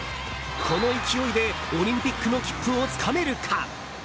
この勢いでオリンピックの切符をつかめるか？